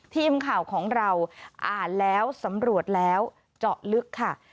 ทีมข่าวของเราอ่านแล้วสำรวจแล้วเจาะลึกค่ะ